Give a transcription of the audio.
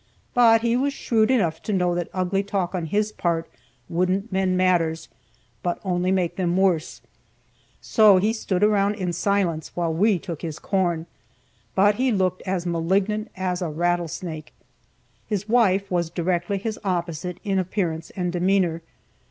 But he was shrewd enough to know that ugly talk on his part wouldn't mend matters, but only make them worse, so he stood around in silence while we took his corn, but he looked as malignant as a rattlesnake. His wife was directly his opposite in appearance and demeanor.